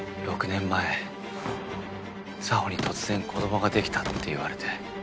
６年前沙帆に突然子どもができたって言われて。